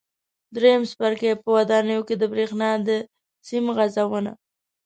درېیم څپرکی: په ودانیو کې د برېښنا د سیم غځونه